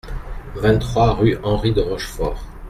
vingt-trois rue Henri de Rochefort